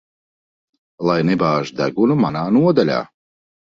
Lai nebāž degunu manā nodaļā.